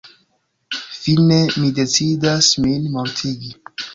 Fine mi decidas min mortigi.